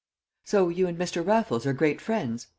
"So you and Mr. Raffles are great friends?"